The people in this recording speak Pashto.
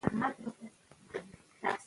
د هغې سفر نورو معلولانو ته الهام ورکوي.